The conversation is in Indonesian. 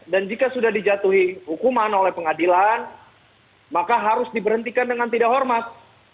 dan jika sudah dijatuhi hukuman oleh pengadilan maka harus diberhentikan dengan tidak hormat